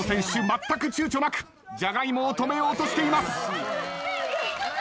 まったくちゅうちょなくジャガイモを止めようとしています。